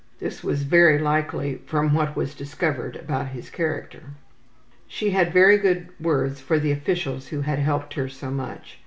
(This was very likely from what was discovered about his character.) She had very good words for the officials who had helped her so much.